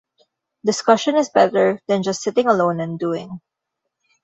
Discussion is better than just sitting alone and doing.